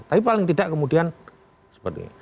tapi paling tidak kemudian seperti ini